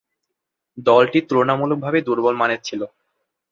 দলটি তুলনামূলকভাবে দূর্বলমানের ছিল।